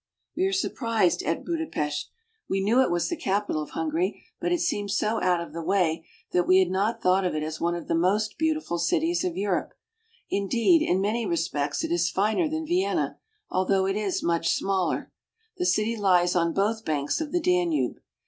We are surprised at Budapest. We knew it was the capital of Hungary, but it seemed so out of the way that Quays, Budapest we had not thought of it as one of the most beautiful cities of Europe. Indeed, in many respects it is finer than Vienna, although it is much smaller. The city lies on both banks of the Danube.